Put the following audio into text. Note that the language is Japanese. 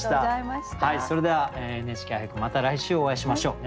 それでは「ＮＨＫ俳句」また来週お会いしましょう。